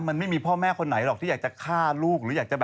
มันไม่มีพ่อแม่คนไหนหรอกที่อยากจะฆ่าลูก